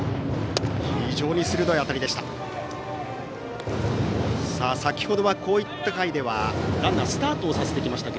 非常に鋭い当たりでした。